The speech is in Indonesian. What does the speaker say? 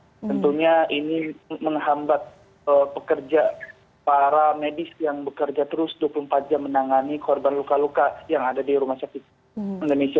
tentunya ini menghambat pekerja para medis yang bekerja terus dua puluh empat jam menangani korban luka luka yang ada di rumah sakit indonesia